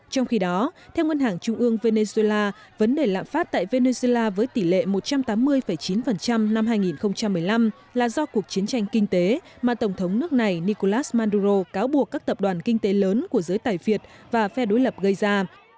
trong khi đó theo ngân hàng trung ương venezuela vấn đề lạm phát tại venezuela với tỷ lệ một trăm tám mươi chín năm hai nghìn một mươi năm là do cuộc chiến tranh kinh tế mà tổng thống nước này nicolas manduro cáo buộc các tập đoàn kinh tế lớn của giới tài việt và phe đối lập gây ra